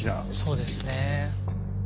そうですねえ。